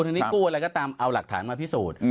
ทั้งนี้กู้อะไรก็ตามเอาหลักฐานมาพิสูจน์